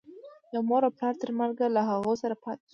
د مور و پلار تر مرګه له هغو سره پاتې شو.